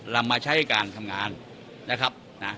ลำมาใช้ให้การทำงานนะครับ